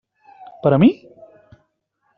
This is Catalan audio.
Per a mi?